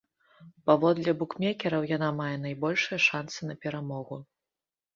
Паводле букмекераў, яна мае найбольшыя шанцы на перамогу.